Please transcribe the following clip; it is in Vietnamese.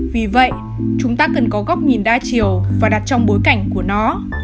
vì vậy chúng ta cần có góc nhìn đa chiều và đặt trong bối cảnh của nó